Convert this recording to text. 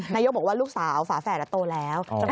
นายกบอกว่าลูกสาวฝาแฝดโตแล้ว